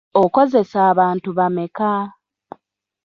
Okozesa abantu bameka?